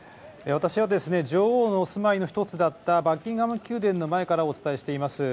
私はですね、女王のお住まいの一つだったバッキンガム宮殿の前からお伝えしています。